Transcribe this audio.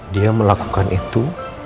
dia melakukan itu